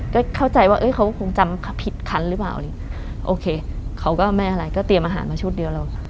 ก็เข้าใจว่าเอ้ยเขาคงจำผิดคันหรือเปล่าอะไรโอเคเขาก็ไม่อะไรก็เตรียมอาหารมาชุดเดียวแล้ว